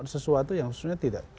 sesuatu yang sebenarnya tidak